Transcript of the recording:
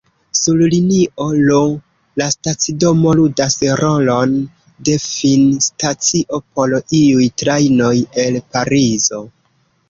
Sur linio L, la stacidomo ludas rolon de finstacio por iuj trajnoj el Parizo.